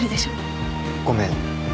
ごめん。